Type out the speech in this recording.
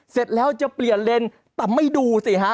เสร็จแล้วจะเปลี่ยนเลนแต่ไม่ดูสิฮะ